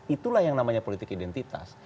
itulah yang namanya politik identitas